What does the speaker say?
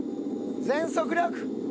全速力。